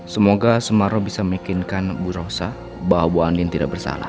semoga semaro bisa meyakinkan bu rosa bahwa bu andin tidak bersalah